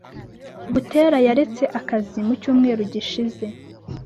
Butera yaretse akazi mu cyumweru gishize.